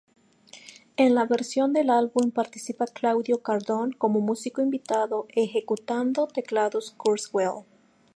En la versión del álbum participa Claudio Cardone como músico invitado ejecutando teclados Kurzweil.